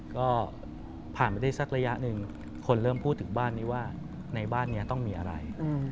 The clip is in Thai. ก็ผ่านไปได้สักระยะหนึ่งคนเริ่มพูดถึงบ้านนี้ว่าในบ้านนี้ต้องมีอะไร